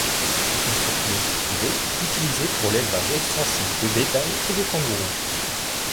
C'est une propriété privée, utilisée pour l'élevage extensif de bétail et de kangourous.